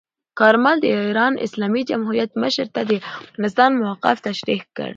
کارمل د ایران اسلامي جمهوریت مشر ته د افغانستان موقف تشریح کړ.